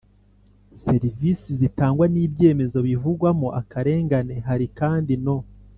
Serivisi zitangwa n ibyemezo bivugwamo akarengane hari kandi no